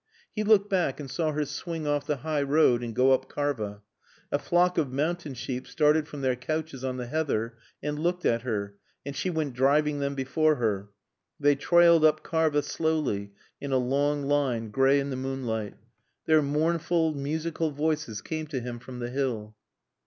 He looked back and saw her swing off the high road and go up Karva. A flock of mountain sheep started from their couches on the heather and looked at her, and she went driving them before her. They trailed up Karva slowly, in a long line, gray in the moonlight. Their mournful, musical voices came to him from the hill.